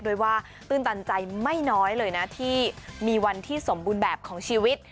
โดยว่าตื้นตันใจไม่น้อยเลยนะที่มีวันที่สมบูรณ์แบบของชีวิต